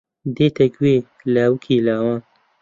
دێتە گوێ لاوکی لاوان